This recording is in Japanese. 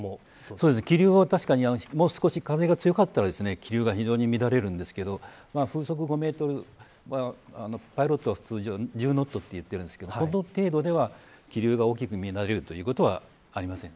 そうですね、気流は確かにもう少し風が強かったら気流が非常に乱れるんですけど風速５メートルは、パイロットは１０ノットと言っているんですけれどこの程度では気流が大きく乱れることはありません。